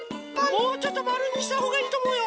もうちょっとまるにしたほうがいいとおもうよ。